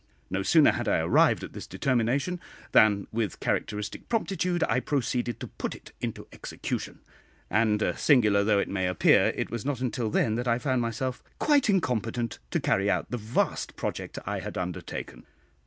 No sooner had I arrived at this determination, than with characteristic promptitude I proceeded to put it into execution; and singular though it may appear, it was not until then that I found myself quite incompetent to carry out the vast project I had undertaken.